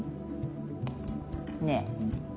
ねえ。